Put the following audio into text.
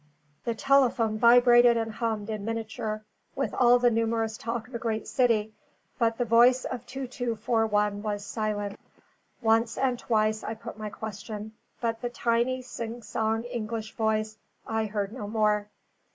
The telephone vibrated and hummed in miniature with all the numerous talk of a great city; but the voice of 2241 was silent. Once and twice I put my question; but the tiny, sing song English voice, I heard no more.